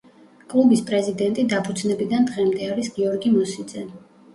კლუბის პრეზიდენტი დაფუძნებიდან დღემდე არის გიორგი მოსიძე.